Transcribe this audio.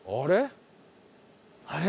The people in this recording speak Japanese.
あれ？